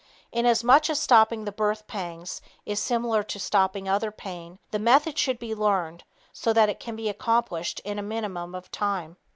Inasmuch as stopping the birth pangs is similar to stopping other pain, the method should be learned so that it can be accomplished in a minimum of time.